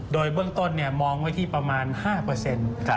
โดยเบื้องต้นมองไว้ที่ประมาณ๕เปอร์เซ็นต์